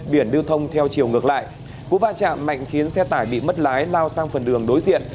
biển lưu thông theo chiều ngược lại cú va chạm mạnh khiến xe tải bị mất lái lao sang phần đường đối diện